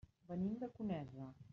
Venim de Conesa.